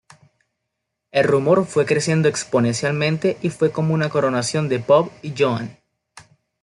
El rumor fue creciendo exponencialmente y fue como una coronación de Bob y Joan.